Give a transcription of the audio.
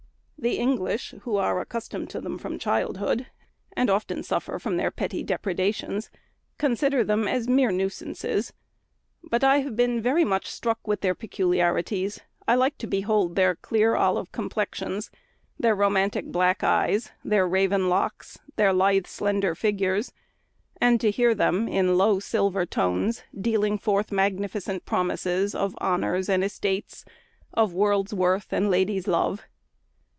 The English, who are accustomed to them from childhood, and often suffer from their petty depredations, consider them as mere nuisances; but I have been very much struck with their peculiarities. I like to behold their clear olive complexions, their romantic black eyes, their raven locks, their lithe, slender figures, and to hear them, in low, silver tones, dealing forth magnificent promises, of honours and estates, of world's worth, and ladies' love.